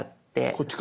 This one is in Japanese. こっちか。